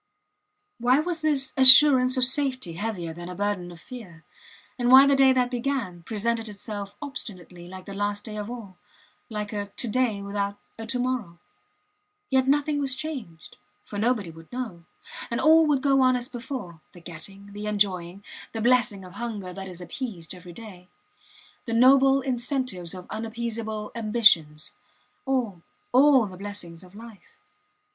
Why was this assurance of safety heavier than a burden of fear, and why the day that began presented itself obstinately like the last day of all like a to day without a to morrow? Yet nothing was changed, for nobody would know; and all would go on as before the getting, the enjoying, the blessing of hunger that is appeased every day; the noble incentives of unappeasable ambitions. All all the blessings of life.